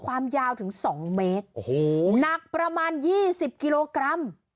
ความยาวถึง๒เมตรโอ้โหหนักประมาณ๒๐กิโลกรัม